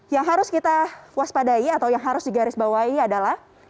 yang harus kita waspadai atau yang harus digarisbawahi adalah